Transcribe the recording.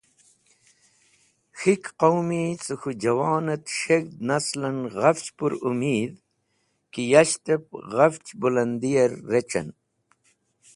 K`hik Qaumi ce K̃hu javonet S̃hegh naslen ghafch pur Umeedh ki yashtep ghafch bulandi yer rẽc̃hen.